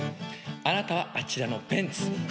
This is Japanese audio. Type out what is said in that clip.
あなたはあちらのベンツ。